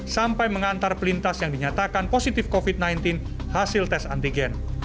sampai mengantar pelintas yang dinyatakan positif covid sembilan belas hasil tes antigen